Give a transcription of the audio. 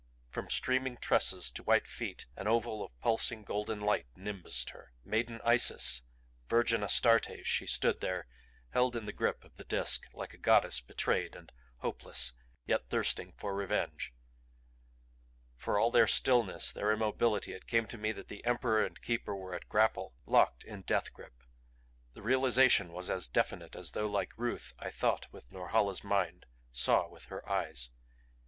From streaming tresses to white feet an oval of pulsing, golden light nimbused her. Maiden Isis, virgin Astarte she stood there, held in the grip of the Disk like a goddess betrayed and hopeless yet thirsting for vengeance. For all their stillness, their immobility, it came to me that Emperor and Keeper were at grapple, locked in death grip; the realization was as definite as though, like Ruth, I thought with Norhala's mind, saw with her eyes.